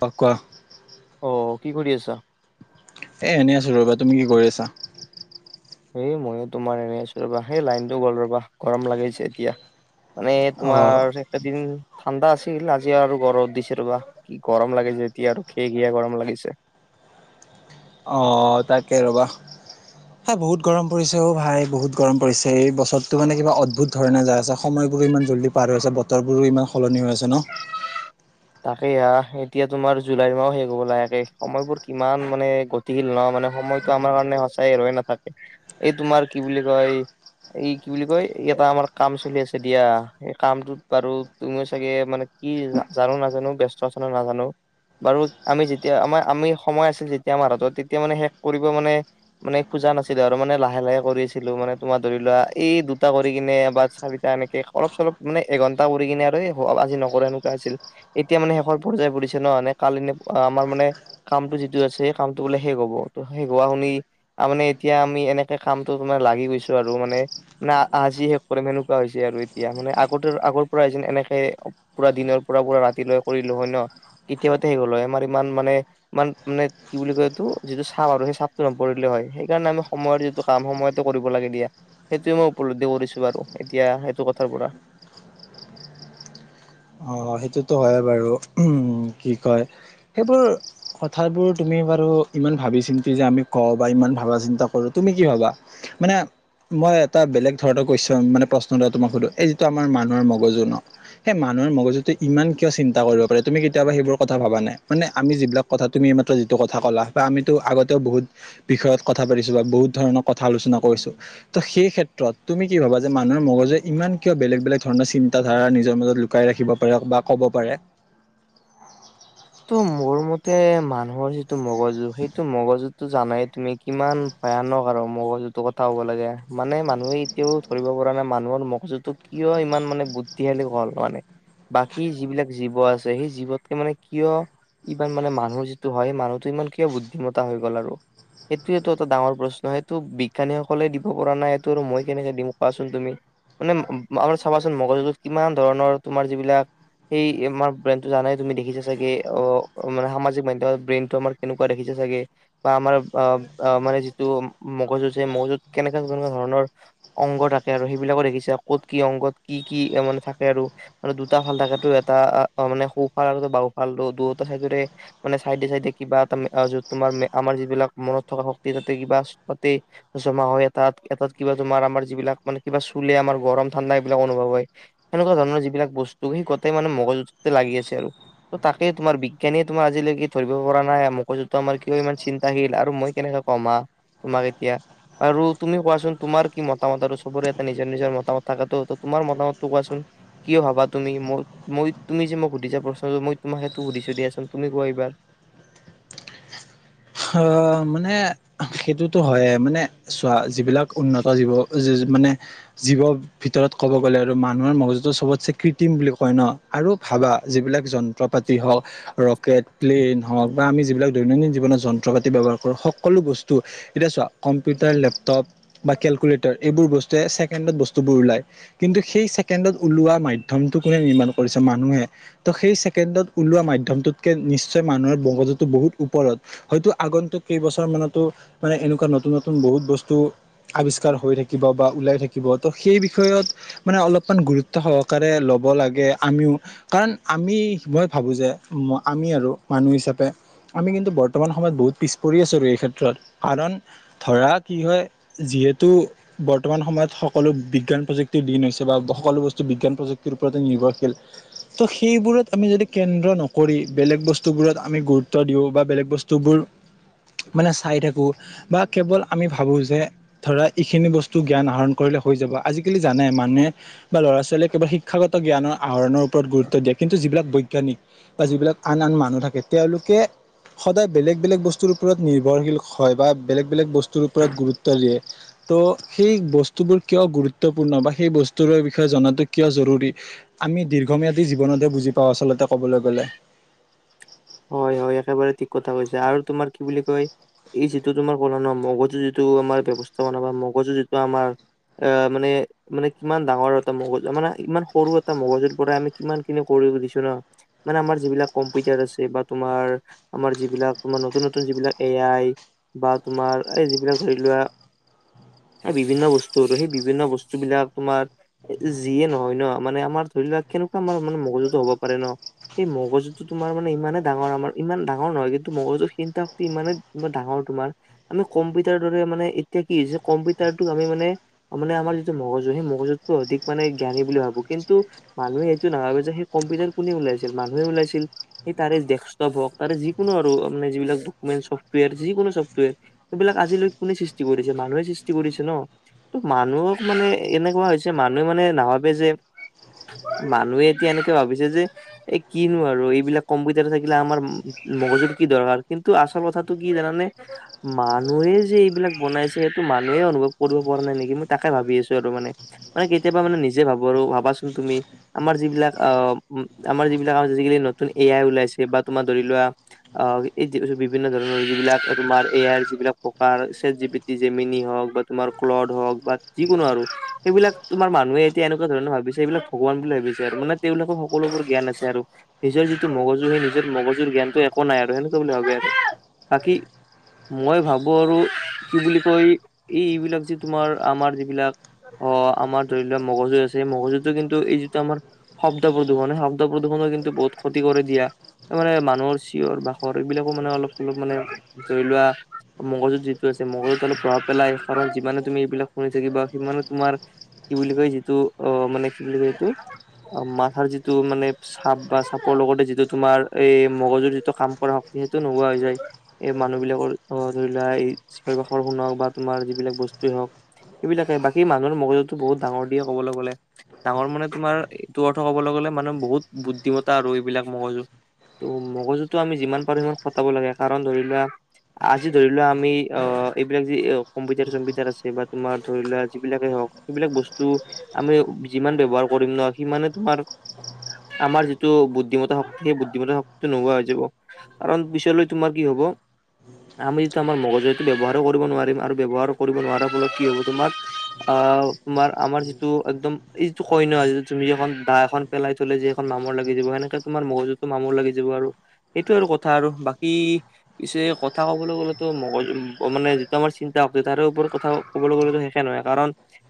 পকোৱা অ কি কৰি আছা এ এনে আছো ৰ'বা তুমি কি কৰি আছা এই মইয়ো তোমাৰ এনেই আছো ৰবা সেই লাইনটো গ'ল ৰবা গৰম লাগিছে এতিয়া মানে অ তোমাৰ একেদিন ঠাণ্ডা আছিল আজি আৰু গৰ'ত দিছে ৰবা কি গৰম লাগিছে এতিয়া আৰু খে ঘিয় গৰম লাগিছে অ তাকেই ৰ'বা এ বহুত গৰম পৰিছে অঔ ভাই বহুত গৰম পৰিছে এই বছৰটো মানে কিবা অদ্ভুত ধৰণে যাই আছে সময়বোৰো ইমান জল্দি পাৰ হৈ আছে বতৰ বোৰো ইমান সলনি হৈ আছে ন তাকে হা এতিয়া তোমাৰ জুলাইৰ মাহ শেষ হব লাহেকে সময়বোৰ কিমান মানে [unintelligible] ল ন মানে সময়টো আমাৰ কাৰণে সঁচাই ৰৈ নাথাকে এই তোমাৰ কি বুলি কয় এই কি বুলি কয় এটা আমাৰ কাম চলি আছে দিয়া এই কামটোত বাৰু তুমিও চাগে মানে কি জানো নাজানো ব্যস্ত আছে নে নাজানো বাৰু আমি যেতিয়া আমাৰ আমি সময় আছিল যেতিয়া আমাৰ হাতত তেতিয়া মানে শেষ কৰিব মানে মানে খোজা নাছিলে আৰু মানে লাহে লাহে কৰি আছিলো মানে তোমাৰ ধৰি লোৱা এই দুটা কৰি কিনে এ বাচ কাপিতা এনেকে অলপ চলপ মানে এঘণ্টা কৰি কিনে আৰু আজি নকৰা এনেকুৱা আছিল এতিয়া মানে শেষৰ পৰ্যায় পৰিছে ন এনে কালি এনে আমাৰ মানে কামটো যিটো আছে সেই কামটো বোলে শেষ হ'ব ত শেষ হোৱা শুনি ত মানে এতিয়া আমি এনেকে কামটোত তোমাৰ লাগি গৈছো আৰু মানে নে আজি শেষ কৰিম সেনেকুৱা হৈছে আৰু এতিয়া মানে আগতে আগৰ পৰাই যেন এনেকে পুৰা দিনৰ পৰা পুৰা ৰাতিলৈ কৰিলো হয় ন কেতিয়াবাতে শেষ হ'ল হয় আমাৰ ইমান মানে ইমান মানে কি বুলি কয় এইটো যিটো চাপ আৰু সেই চাপটো নপৰিলে হয় সেইকাৰণে আমি সময়ৰ যি সময়ৰ কাম সময়তে কৰিব লাগে দিয়া সেইটোয়ে মই উপলব্ধি কৰিছো বাৰু এতিয়া সেইটো কথাৰ পৰা অ সেইটোতো হয় বাৰু উম কি কয় সেইবোৰ কথাবোৰ তুমি বাৰু ইমান ভাবি চিন্তি যে আমি কওঁ বা ইমান ভাবা চিন্তা কৰো তুমি কি ভাবা মানে মই এটা বেলেগ ধৰণৰ কুৱেশন মানে প্ৰশ্ন এটা তোমাক সুধো এই যিটো আমাৰ মানুহৰ মগজু ন সেই মানুহৰ মগজুত ত ইমান কিয় চিন্তা কৰিব পাৰে তুমি কেতিয়াবা সেইবোৰ কথা ভাবা নে মানে যিবিলাক কথা তুমি এই মাত্ৰ যিটো কথা ক'লা বা আমিতো আগতেও বহুত বিষয়ত কথা পাতিছো বা বহুত ধৰণৰ কথা আলোচনা কৰিছো ত' সেই ক্ষেত্ৰত তুমি কি ভাবা যে মানুহৰ মগজুৱে ইমান কিয় বেলেগ বেলেগ ধৰণৰ চিন্তাধাৰা নিজৰ মাজত লুকাই ৰাখিব বা ক'ব পাৰে ত' মোৰ মতে মানুহৰ যিটো মগজু সেইটো মগজুতটো জানাই তুমি কিমান ভয়ানক আৰু মগজুটোৰ কথা হ'ব লাগে মানে মানুহে এতিয়াও ধৰিব পৰা নাই মানুহৰ মগজুতো। কিয় ইমান মানে বুদ্ধিশালী হ'ল মানে বাকী যিবিলাক জীৱ আছে সেই জীৱতকে মানে। কিয় ইমান মানে মানুহৰ যিটো হয় মানুহটো ইমান কিয় বুদ্ধিমতা হৈ গ'ল আৰু। সেইটোৱেটো এটা ডাঙৰ প্ৰশ্ন সেইটো বিজ্ঞানীসকলে দিব পৰা নাই এইটো আৰু মই কেনেকে দিম কোৱাচোন তুমি। মানে আমাৰ চাবাচোন মগজুটোত কিমান ধৰণৰ তোমাৰ যিবিলাক- সেই আমাৰ ব্ৰেনটো জানাই তুমি দেখিছা। চাগে অ মানে সামাজিক মাধ্যমত ব্ৰেইনতটো আমাৰ কেনেকুৱা দেখিছে চাগে। বা আমাৰ অ মানে যিটো মগজুযে মগজুত কেনেকা কেনেকুৱা ধৰণৰ। অংগ থাকে আৰু সেইবিলাকো দেখিছে কত কি অংগত কি কি মানে থাকে আৰু। আৰু দুটা ফাল থাকেতটো এটা মানে সোফাল আৰু বাওফাল দুয়োটা চাইদৰে মানে চাইডে চাইডে কিবা এটা তোমাৰ আমাৰ যিবিলাক মনত থকা শক্তি তাতে কিবা তাতে। জমা হয় এটাত এটাত কিবা তোমাৰ আমাৰ যিবিলাক মানে কিবা চুলে আমাৰ গৰম ঠাণ্ডা এইবিলাক অনুভৱ হয়। সেনেকুৱা ধৰণৰ যিবিলাক বস্তু সেই গোটেই মানে মগজুততে লাগি আছে আৰু। ত তাকে তোমাৰ বিজ্ঞানীয়ে তোমাৰ আজিলৈকে ধৰিব পৰা নাই মগজতো আমাৰ কিয় ইমান চিন্তাশীল আৰু মই কেনেকা কমা তোমাক এতিয়া। আৰু তুমি কোৱাচোন তোমাৰ কি মতামত আৰু চবৰে এটা নিজৰ নিজৰ মতামত থাকটো ত তোমাৰ মতামতটো কোৱাচোন? কিয় ভাবা তুমি মোক মই তুমি যে মোক সুধিছা প্ৰশ্ন মই টোমাক সেইটো সুধিছো দিয়াচোন তুমি কোৱা এইবাৰ হা মানে সেইটোতো হয়য়ে মানে চোৱা যিবিলাক উন্নত জীৱ মানে জীৱ। ভিতৰত ক'ব গ'লে আৰু মানুহৰ মগজুটো চবতছে কৃত্ৰিম বুলি কয় ন আৰু ভাবা যিবিলাক জন্ত চট্ৰপাতি হওঁক। ৰকেট প্লেইন হওঁক বা আমি যিবিলাক দৈনন্দিন জীৱনত যন্ত্ৰ পাতি ব্যৱহাৰ কৰো সকলো বস্তু। এতিয়া চোৱা কম্পিউটাৰ লেপটপ বা কেলকুলেটৰ। এইবোৰ বস্তুৱে চছেকেণ্ডত বস্তুবোৰ ওলায়। কিন্তু সেই ছেকেণ্ডত ওলোৱা মাধ্যমটো কোনে নিৰ্মাণ কৰিছে মানুহে। ত সেই ছেকেণ্ডত ওলোৱা মাধ্যমটোতকে নিশ্চয় মানুহৰ মগজুটো বহুত ওপৰত। হয়তো আগন্তুক কেইবছৰ মানতো মানে এনেকুৱা নতুন নতুন বহুত বস্তু। আৱিষ্কাৰ হৈ থাকিব বা ওলাই থাকিব ত' সেই বিষয়ত- মানে অলপমান গুৰুত্ব সহকাৰে লব লাগে আমিও কাৰণ আমি মই ভাবো যে আমি আৰু মানুহ হিচাপে আমি কিন্তু বৰ্তমান সময়ত বহুত পিছ পৰি আছো আৰু এই ক্ষেত্ৰত কাৰণ ধৰা কি হয়? যিহেতু! বৰ্তমান সময়ত সকলো বিজ্ঞান প্ৰযুক্তিৰ দিন হৈছে বা সকলো বস্তু বিজ্ঞান প্ৰযুক্তিৰ ওপৰতে নিৰ্ভৰশীল। ত' সেইবোৰত আমি যদি কেন্দ্ৰ নকৰি বেলেগ বস্তুবোৰত আমি গুৰুত্ব দিওঁ বা বেলেগ বস্তুবোৰ- মানে চাই থাকোঁ বা কেৱল আমি ভাবোঁ যে ধৰা এইখিনি বস্তু! টো জ্ঞান আহৰণ কৰিলে হৈ যাব আজিকালি জানে মানুহে বা ল'ৰা ছোৱালীয়ে কেৱল শিক্ষাগত জ্ঞানৰ- আহৰনৰ ওপৰত গুৰুত্ব দিয়ে কিন্তু যিবিলাক বৈজ্ঞানিক। বা যিবিলাক আন আন মানুহ থাকে তেওঁলোকে সদায় বেলেগ বেলেগ বস্তুৰ ওপৰত। নিৰ্ভৰশীল হয় বা বেলেগ বেলেগ বস্তুৰ ওপৰত গুৰুত্ব দিয়ে। ত' সেই বস্তুবোৰ কিয় গুৰুত্বপূৰ্ণ বা সেই বস্তুৰে বিষয়ে জনাটো কিয় জৰুৰী। আমি দীৰ্ঘম্যাদী জীৱনতহ বুজি পাওঁ আচলতে ক'বলৈ গ'লে। হয় হয়, একেবাৰে ঠিক কথা কৈছা। আৰু তোমাৰ কি বুলি কয়? এই যিটো তোমাৰ কলো ন মগজু যিটো আমাৰ ব্যৱস্থাপনা বা মগজু যিটো আমাৰ- আ মানে- মানে কিমান ডাঙৰ এটা মগজু মানে ইমান সৰু এটা মগজুৰ পৰাই আমি কিমান খিনি কৰি দিছো ন। মানে আমাৰ যিবিলাক কম্পিউটাৰ আছে। বা তোমাৰ আমাৰ যিবিলাক তোমাৰ নতুন নতুন যিবিলাক এ আই- বা তোমাৰ এই যিবিলাক ধৰি লোৱা, - এ বিভিন্ন বস্তু আৰু সেই বিভিন্ন বস্তু বিলাক তোমাৰ- যিয়ে নহয় ন মানে আমাৰ ধৰি লোৱা কেনেকুৱা আমাৰ মানে মগজুতো হ'ব পাৰে ন। সেই মগজুটো তোমাৰা মা- নে ইমান ডাঙৰ আমাৰ ইমান ডাঙৰ নহয় কিন্তু, মগৰজুৰ চিন্তা শক্তি ইমানেই ডাঙৰ তোমাৰ- আমি কম্পিউটাৰ দৰে মানে এতিয়া কি হৈছে কম্পিউটাৰটোক আমি মানে- মানে আমাৰ যিটো মগজু সেই মগজুতকো অধিক মানে জ্ঞানী বুলি ভাবো। কিন্তু, - মানুহে এইটো নভাবে যে সেই কম্পিটাৰ কোনে ওলাইছিল মানুহে ওলাইছিল। সে তাৰে ডেক্সটপ হওক তাৰে যিকোনো আৰু মানে যিবিলাক ডকুমেণ্ট চফ্টৱেৰ যিকোনো চফ্টৱেৰ- এইবিলাক আজিলৈ কোনে সৃষ্টি কৰিছে মানুহে সৃষ্টি কৰিছে ন। মানুহ মানে এনেকুৱা হৈছে মানুহে মানে নাভাবে যে, - মানুহে এতিয়া এনেকে ভাবিছে যে, এই কিনো আৰু এইবিলাক- কম্পিউটাৰ থাকিলে আমাৰ মগজুৰ কি দৰকাৰ কিন্তু, আচল কথাটো কি জানানে? মানুহে যে এইবিলাক বনাইছে সেইটো মানুহে অনুভৱ কৰিব পৰা নাই নেকি মই তাকে ভাবি আছো আৰু মানে। মানে কেতিয়াবা মানে নিজে ভাবা আৰু ভাবাচোন তুমি। আমাৰ যিবিলাক আহ আমাৰ যিবিলাক আজিকালি নতুন এ আই ওলাইছে বা তোমাৰ ধৰি লোৱা, - অঁ' এই বিভিন্ন ধৰণৰ যিবিলাক তোমাৰ এ আইৰ যিবিলাক প্ৰকাৰ, চেত জি পি - জেমিনি হওক বা তোমাৰ ক্লড হওক বা যিকোনো আৰু সেইবিলাক তোমাৰ মানুহে এতিয়া এনেকুৱা ধৰণে ভাবিছে এইবিলাক- ভগৱান বুলি ভাবিছে আৰু মানে তেওঁলোকৰ সকলোবোৰ জ্ঞান আছে আৰু নিজৰ যিটো- টো মগজু সেই নিজৰ মগজুৰ জ্ঞানটো একো নাই আৰু সেনেকুৱা বুলি ভাবে আৰু বাকী- মই ভাবো আৰু কি বুলি কয় এই এইবিলাক যে তোমাৰ আমাৰ যিবিলাক- অঁ আমাৰ ধৰি লোৱা মগজু আছে, এই মগজুতটো কিন্তু এই যিটো আমাৰ- শব্দ প্ৰদূষণ হয়, সে শব্দ প্ৰদূষণে কিন্তু বহুত ক্ষতি কৰে দিয়া। মানে মানুহৰ চিঞৰ বাখৰ এইবিলাকো মানে অলপ চলপ মানে- ধৰি লোৱা মগজুত যিটো আছে মগজুত অলপ প্ৰভাৱ পেলাই কাৰণ যিমানে তুমি এইবিলাক- শুনিছে কিবা, সিমানে তোমাৰ কি বুলি কয় যিটো অ মানে কি বুলি কয় সেইটো- অ মাথাৰ যিটো মানে চাপ বা চাপ- ক লগতে যিটো তোমাৰ এই মগজুৰ যিটো কাম পৰা শক্তি সেইটো নোহোৱা হৈ যায়। এই মানুহ বিলাকৰ ধৰি লোৱা এই চিঞৰ বাখৰ শুনক বা তোমাৰ যিবিলাক বস্তুৱেই হওক- এবিলাকে বাকী মানুহৰ মগজুটো বহুত ডাঙৰ দিয়া ক'বলে গ'লে। ডাঙৰ মানে তোমাৰ এইটো অৰ্থ ক'বলৈ গ'লে মানুহ বহুত বুদ্ধিমতা আৰু এইবিলাক মগজু। ত' মগজুটো আমি যিমান পাৰো সিমান খটাব লাগে কাৰণ ধৰি লোৱা, - আজি ধৰি লোৱা আমি অ এইবিলাক যি কম্পিউটাৰ চম্পিউটাৰ আছে বা তোমাৰ ধৰি লোৱা যিবিলাকেই হওক- সেইবিলাক বস্তু আমি যিমান ব্যৱহাৰ কৰিম ন সিমানে তোমাৰ আমাৰ যি- টো বুদ্ধিমতা শক্তি সেই বুদ্ধিমত্তা শক্তিটো নোহোৱা হৈ যাব। কাৰণ পিছলৈ তোমাৰ কি হব- আমি টো আমাৰ মগজুটো ব্যৱহাৰো কৰিব নোৱাৰিম আৰু ব্যৱহাৰ কৰিব নোৱাৰা ফলত কি হ'ব তোমাৰ অঁ- তোমাৰ আমাৰ যিটো একদম এই যিটো কয়ন, তুমি এখন দা এখন পেলাই থলে যে এখন মামৰ লাগ- গি যাব সেনেকে তোমাৰ মগজুটো মামৰ লাগি যাব আৰু সেটোৱে আৰু কথা আৰু বাকী- পিছে কথা কবলৈ গ'লেতো মগজ মানে যিটো আমাৰ চিন্তা শক্তি তাৰে ওপৰত কথা- ক'বলৈ গ'লেতো শেষ নহয় কাৰণ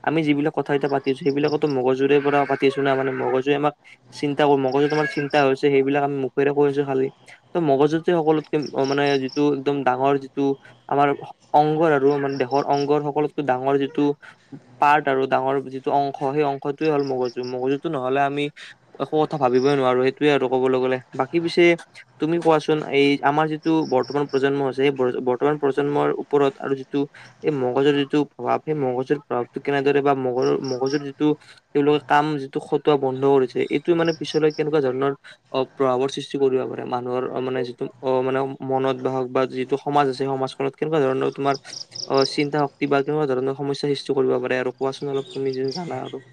আমি যিবিলাক কথা এয়া পাতিছো সেইবিলাকতো মগজুৰে পৰা পাতিছো না মানে মগজুৱে আমাক চিন্তা কৰো মগজত তোমাৰ চিন্তা হৈছে সেইবিলাক আমি মুখেৰে কৰিছো খালি। ত মগজুতি সকলোতকে মানে যিটো একদম ডাঙৰ যিটো আমাৰ অংগৰ আৰু মানে দেশৰ অংগৰ সকলোতকে ডাঙৰ যিটো পাৰ্ট আৰু ডাঙৰ যিটো অংশ সেই অংশটোৱে হ'ল মগজু মগজুতটো নহলে আমি একো কথা ভাবিবই নোৱাৰো সেইটোৱে আৰু ক'বলৈ গ'লে বাকী পিছে তুমি কোৱাচোন এই আমাৰ যিটো বৰ্তমান প্ৰজন্ম আছে সেই বৰ্তমান প্ৰজন্মৰ ওপৰত আৰু যিটো এই মগজৰ যিটো প্ৰভাৱ সেই মগজৰ প্ৰভাৱটো কেনেদৰে বা মগৰ মগজৰ যিটো তেওঁলোকে কাম যিটো খটোৱা বন্ধ কৰিছে এইটোয়ে মানে পিছলৈ কেনেকুৱা ধৰণৰ অ প্ৰভাৱৰ সৃষ্টি কৰিব পাৰে মানুহৰ মানে যিটো অ মানে মনত বাহক বা যিটো সমাজ আছে সেই সমাজ। ফলত কেনেকুৱা ধৰণৰ তোমাৰ অ চিন্তা শক্তি বা কেনেকুৱা ধৰণৰ সমস্যা সৃষ্টি কৰিব পাৰে আৰু কোৱাচোন অলপ তুমি য জানা আৰু-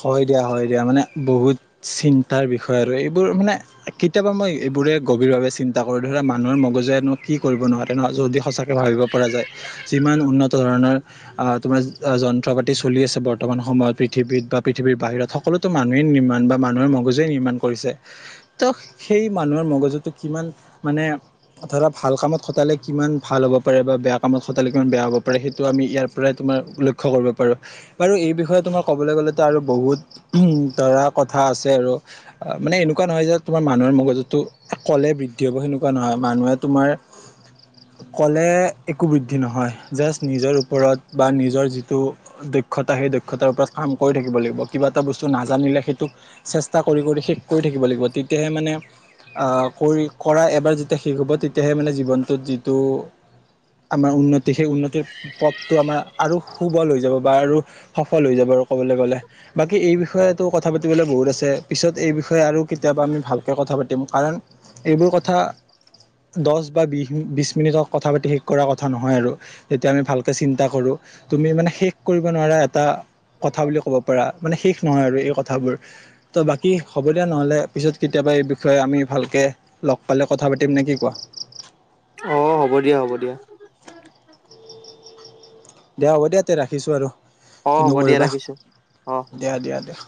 হয় দিয়া হয় দিয়া মানে বহুত চিন্তাৰ বিষয় আৰু এইবোৰ মানে। কেতিয়াবা মই এইবোৰে গভীৰভাৱে চিন্তা কৰো ধৰা মানুহৰ মগজেৱেনো কি কৰিব নোৱাৰে যদি সঁচাকৈ ভাবিব পৰা যায়। যিমান উন্নত ধৰণৰ তোমাৰ যন্ত্ৰ পাতি চলি আছে বৰ্তমান সময়ত পৃথিৱীত বা- পৃথিৱীৰ বাহিৰত সকলোতো মানুহে নিৰ্মাণ বা মানুহে মগজুৱে নিৰ্মাণ কৰিছে। ত সেই মানুহৰ মগজুটো কিমান মানে ধৰা ভাল কামত খটালে কিমান ভাল হ'ব পাৰে বা বেয়া কামত খটালে কিমান বেয়া হ'ব পাৰে সেইটো আমি ইয়াৰ প্ৰই তোমাৰ লক্ষ্য কৰিব পাৰো বাৰু এই বিষয়ে তোমাৰ ক'বলৈ গ'লে। আৰু বহুত উ ধৰা কথা আছে। আৰু অ মানে এনেকুৱা নহয় যে তোমাৰ মানুহৰ মগজুতো। কলে বৃদ্ধি হব সেনেকুৱা নহয় মানুহে তোমাৰ ক'লে একো বৃদ্ধি নহয় জাষ্ট নিজৰ ওপৰত বা নিজৰ যিটো দক্ষতা সেই দক্ষতাৰ ওপৰত কাম কৰি থাকিব লাগিব কিবা এটা বস্তু নাজানিলে সেইটোক। চেষ্টা কৰি কৰি শেষ কৰি থাকিব লাগিব তেতিয়াহে মানে। আ কৰি কৰা এবাৰ যেতিয়া শেষ হ'ব তেতিয়াহে মানে জীৱনটোত যিটো। আমাৰ উন্নতি সেই উন্নতিৰ পথটো আমাৰ। আৰু সুবল হৈ যাব বা আৰু সফল হৈ যাব আৰু ক'বলৈ গ'লে। বাকী এই বিষয়ে কথা পাতিবলৈ বহুত আছে পিছত এই বিষয়ে আৰু কেতিয়াবা আমি ভালকে কথা পাতিম কাৰণ। এইবোৰ কথা দচ বা বি বিচ মিনিটত কথা পাতি শেষ কৰ কথা নহয়। আৰু তেতিয়া আমি ভালকে চিন্তা কৰো তুমি মানে শেষ কৰিব নোৱাৰা এটা। কথা বুলি ক'ব পৰা মানে শেষ নহয় আৰু এই কথাবোৰ তো বাকী হ'ব দিয়া নহ'লে। পিছত কেতিয়াবা এই বিষয়ে আমি ভালকে লগ পালে কথা পাতিম নে কি কোৱা। অ' হ'ব দিয়া হ'ব দিয়া। দিয়া হ'ব দিয়া তে ৰাখিছো আৰু অ কিনো হ'ব দিয়া কৰিবা ৰাখিছো অ দিয়া দিয়া দিয়া।